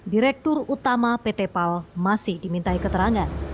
direktur utama pt pal masih dimintai keterangan